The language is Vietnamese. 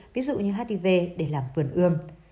ví dụ như hiv để làm vườn ươm